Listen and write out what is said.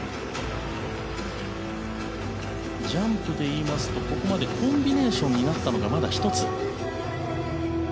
ジャンプでいいますとここまでコンビネーションになったのがまだ１つ。